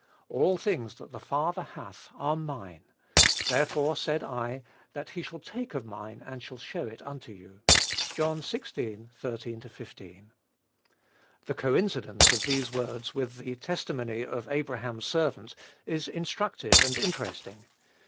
All things that the Father hath are mine: therefore said I, that he shall take of mine and shall show it unto you." (John xvi. 13 15.) The coincidence of these words with the testimony of Abraham's servant is instructive and interesting.